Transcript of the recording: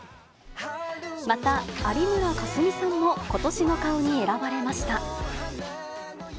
また、有村架純さんも、今年の顔に選ばれました。